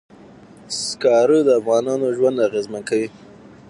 زغال د افغانانو ژوند اغېزمن کوي.